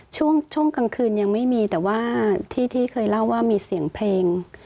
ช่วงกลางคืนยังไม่มีแต่ว่าที่เคยเล่าว่ามีเสียงเพลง